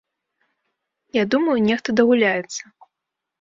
Я думаю, нехта дагуляецца.